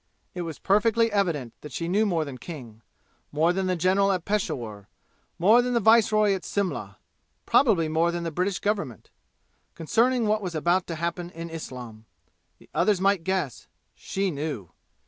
It was perfectly evident that she knew more than King more than the general at Peshawur more than the viceroy at Simla probably more than the British government concerning what was about to happen in Islam. The others might guess. She knew.